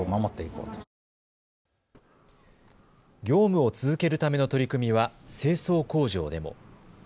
業務を続けるための取り組みは清掃工場でも。